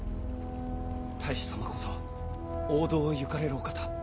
太守様こそ王道を行かれるお方。